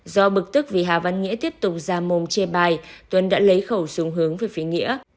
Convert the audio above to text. do bực tức vì hà văn nghĩa tiếp tục ra mồm chê bài tuấn đã lấy khẩu súng hướng về phía nghĩa